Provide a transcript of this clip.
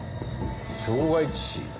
傷害致死？